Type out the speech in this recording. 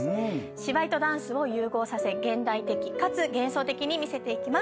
芝居とダンスを融合させ現代的かつ幻想的に見せていきます。